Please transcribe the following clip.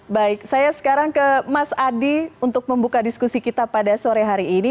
baik saya sekarang ke mas adi untuk membuka diskusi kita pada sore hari ini